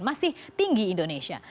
masih tinggi indonesia